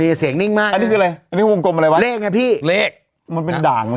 อันนี้คืออะไรวงกลมอะไรวะ